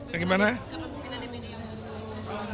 pemimpinan baru ini bagaimana pak